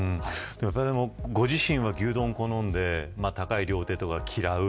ご自身は牛丼を好んで高い料亭とかを嫌う。